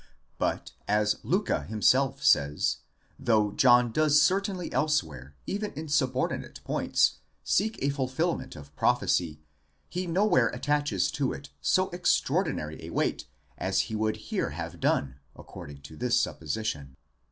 But, as Liicke himself says, though John does certainly elsewhere, even in subordinate points, seek a fulfilment of prophecy, he nowhere attaches to it so extraordinary a weight as he would here have done according to this supposition.